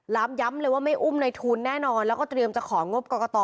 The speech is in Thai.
ย้ำเลยว่าไม่อุ้มในทุนแน่นอนแล้วก็เตรียมจะของงบกรกต